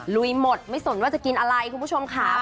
ลุยหมดไม่สนว่าจะกินอะไรคุณผู้ชมค่ะ